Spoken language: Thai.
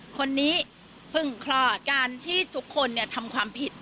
คนนี้เพิ่งคลอดการที่ทุกคนทำความผิด